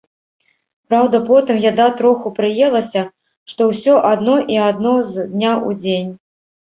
Праўда, потым яда троху прыелася, што ўсё адно і адно з дня ў дзень.